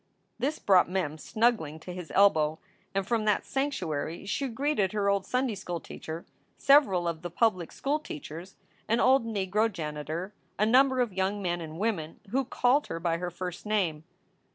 This brought Mem snuggling to his elbow, and from that sanctuary she greeted her old Sunday school teacher, several of the public school teachers, an old negro janitor, a number of young men and women who called her by her first name.